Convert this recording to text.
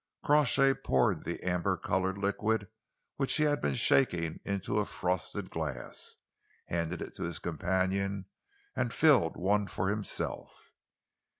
Crawshay poured the amber coloured liquid which he had been shaking into a frosted glass, handed it to his companion and filled one for himself.